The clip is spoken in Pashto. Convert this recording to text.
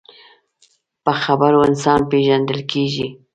په خبرو انسان پیژندل کېږي